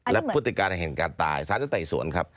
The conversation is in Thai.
และพฤติการแห่งการตายสารจะไต่สวนครับ